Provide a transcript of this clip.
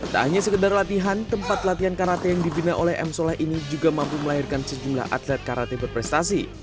tak hanya sekedar latihan tempat latihan karate yang dibina oleh m soleh ini juga mampu melahirkan sejumlah atlet karate berprestasi